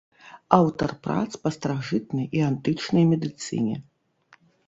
Аўтар прац па старажытнай і антычнай медыцыне.